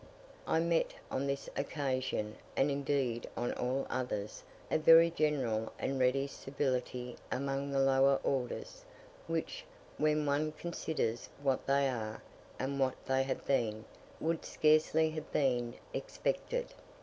I met on this occasion, and indeed on all others, a very general and ready civility among the lower orders, which, when one considers what they are, and what they have been, would scarcely have been expected.